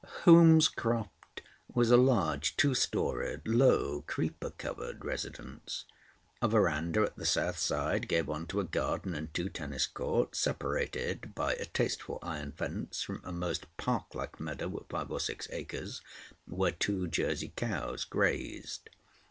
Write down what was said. Holmescroft was a large, two storied, low, creeper covered residence. A verandah at the south side gave on to a garden and two tennis courts, separated by a tasteful iron fence from a most park like meadow of five or six acres, where two Jersey cows grazed.